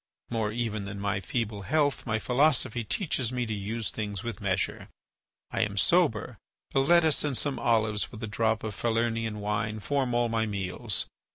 More even than my feeble health my philosophy teaches me to use things with measure. I am sober; a lettuce and some olives with a drop of Falernian wine form all my meals.